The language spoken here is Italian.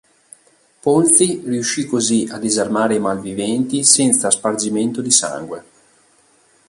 Ponzi riuscì così a disarmare i malviventi senza spargimento di sangue.